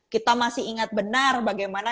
kita masih ingat benar bagaimana